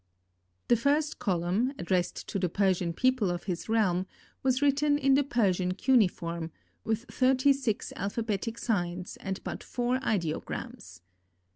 The first column, addressed to the Persian people of his realm, was written in the Persian cuneiform, with thirty six alphabetic signs and but four ideograms.